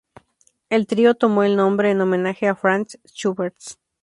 El trío tomó el nombre en homenaje a Franz Schubert.